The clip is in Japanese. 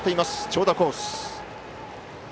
長打コース。